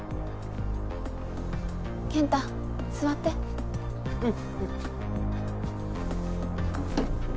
健太座ってうんうん